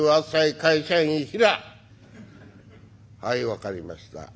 「はい分かりました。